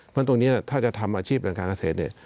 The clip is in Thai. เพราะตรงนี้ถ้าจะทำอาชีพทางการเกษตรเนี่ย